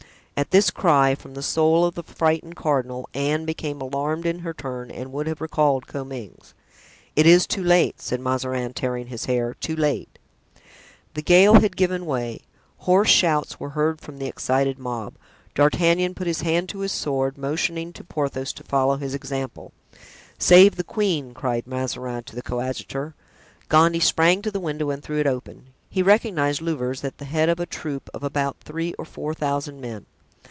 At this cry from the soul of the frightened cardinal, Anne became alarmed in her turn and would have recalled Comminges. "It is too late," said Mazarin, tearing his hair, "too late!" The gale had given way. Hoarse shouts were heard from the excited mob. D'Artagnan put his hand to his sword, motioning to Porthos to follow his example. "Save the queen!" cried Mazarin to the coadjutor. Gondy sprang to the window and threw it open; he recognized Louvieres at the head of a troop of about three or four thousand men.